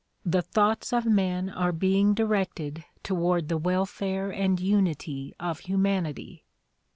the thoughts of men are being directed toward the welfare and unity of humanity.